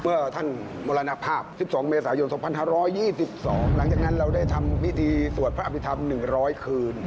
เมื่อท่านมรณภาพ๑๒เมษายน๒๕๒๒หลังจากนั้นเราได้ทำพิธีสวดพระอภิษฐรรม๑๐๐คืน